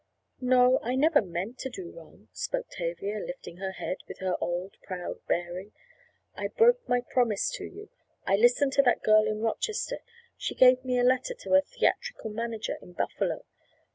"No, I never meant to do wrong," spoke Tavia, lifting her head with her old, proud bearing. "I broke my promise to you—I listened to that girl in Rochester—she gave me a letter to a theatrical manager in Buffalo.